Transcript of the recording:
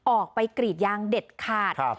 ออกไปกรีดยางเด็ดขาด